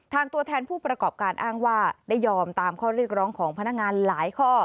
ตัวแทนผู้ประกอบการอ้างว่าได้ยอมตามข้อเรียกร้องของพนักงานหลายข้อ